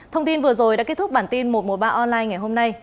thông tin vừa rồi đã kết thúc bản tin một trăm một mươi ba online ngày hôm nay